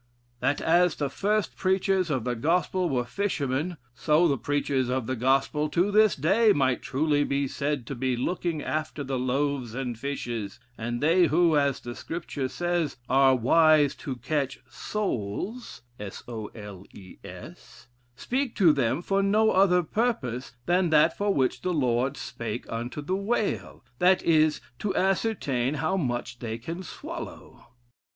That as the first preachers of the gospel were fishermen, so the preachers of the gospel, to this day, might truly be said to be looking after the loaves and fishes, and they who, as the Scripture says, are 'wise to catch soles,' speak to them for no other purpose than that for which the Lord spake unto the whale that is, to ascertain how much they can swallow.